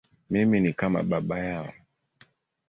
Mimi ni kama baba yao.